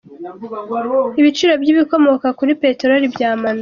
Ibiciro by’ibikomoka kuri Peteroli byamanutse